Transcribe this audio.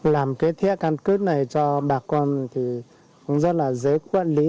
làm cái thẻ căn cước này cho bà con thì cũng rất là dễ quản lý